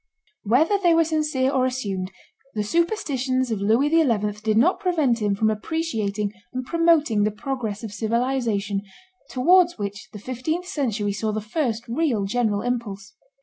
Whether they were sincere or assumed, the superstitions of Louis XI. did not prevent him from appreciating and promoting the progress of civilization, towards which the fifteenth century saw the first real general impulse.